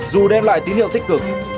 dù đem lại tín hiệu tích cực